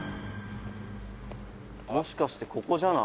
「もしかしてここじゃない？」